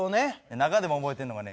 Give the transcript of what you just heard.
中でも覚えてんのがね